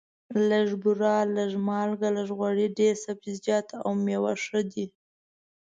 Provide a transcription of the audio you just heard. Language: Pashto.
لږه بوره، لږه مالګه، لږ غوړي، ډېر سبزیجات او مېوې ښه دي.